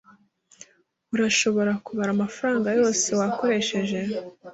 Urashobora kubara amafaranga yose wakoresheje?